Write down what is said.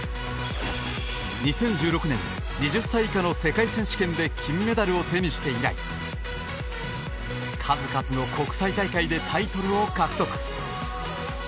２０１６年２０歳以下の世界選手権で金メダルを手にして以来数々の国際大会でタイトルを獲得。